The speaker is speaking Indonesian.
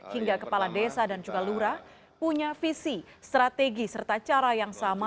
hingga kepala desa dan juga lurah punya visi strategi serta cara yang sama